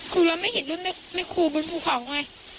คือเราไม่ได้เห็นรถแม่แม่คู่บนภูเขาร์ไง